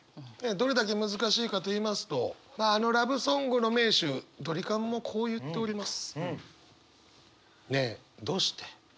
どれだけ難しいかと言いますとまああのラブソングの名手ドリカムもこう言っております。